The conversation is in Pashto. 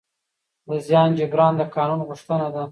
د زیان جبران د قانون غوښتنه ده.